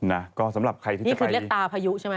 นี่คือเรียกตาพยุใช่ไหม